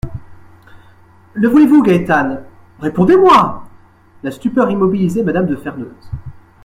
Le voulez-vous, Gaétane ? Répondez-moi.» La stupeur immobilisait M^{me} de Ferneuse.